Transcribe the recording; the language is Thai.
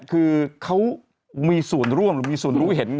คือเขามีส่วนร่วมหรือมีส่วนรู้เห็น